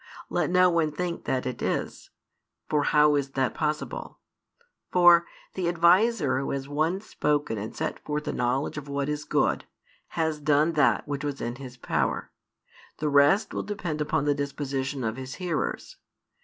Let no one think that it is: for how is that possible? For the adviser who has once spoken and set forth the knowledge of what is good, has done that which was in his power. The rest will depend upon the disposition of his hearers.